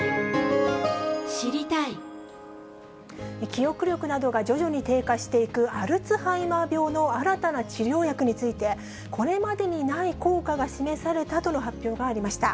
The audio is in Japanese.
記憶力などが徐々に低下していくアルツハイマー病の新たな治療薬について、これまでにない効果が示されたとの発表がありました。